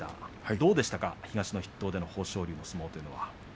どうでしたか、東の筆頭での豊昇龍の相撲というのは。